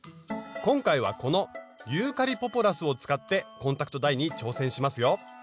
今回はこのユーカリ・ポポラスを使ってコンタクトダイに挑戦しますよ。